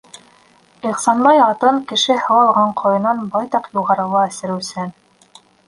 Ихсанбай атын кеше һыу алған ҡойонан байтаҡ юғарыла эсереүсән.